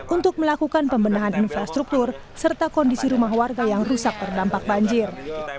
untuk melakukan pembenahan infrastruktur serta kondisi rumah warga yang rusak terdampak banjir